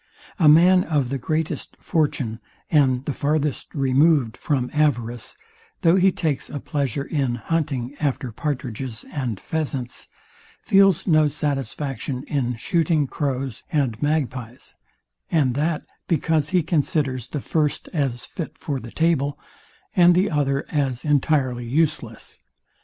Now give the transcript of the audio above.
A man of the greatest fortune, and the farthest removed from avarice, though he takes a pleasure in hunting after patridges and pheasants, feels no satisfaction in shooting crows and magpies; and that because he considers the first as fit for the table, and the other as entirely useless.